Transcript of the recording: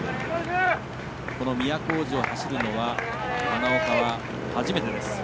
都大路を走るのは花岡は初めてです。